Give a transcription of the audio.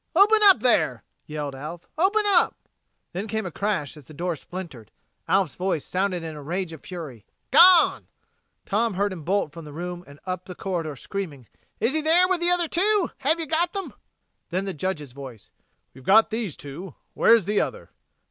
"Open up there!" yelled Alf. "Open up!" Then came a crash as the door splintered. Alf's voice sounded in rage of fury: "Gone!" Tom heard him bolt from the room and up the corridor, screaming: "Is he in there with the other two? Have you got them?" Then the Judge's voice: "We've got these two. Where's the other?"